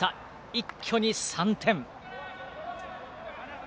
一挙に３点。